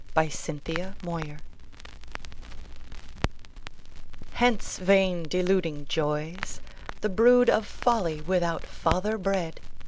IL PENSEROSO HENCE, vain deluding Joys, ............The brood of Folly without father bred!